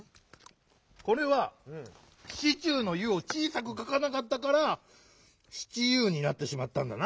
これは「シチュー」の「ユ」をちいさくかかなかったから「シチユー」になってしまったんだな。